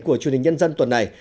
của chương trình nhân dân tuần này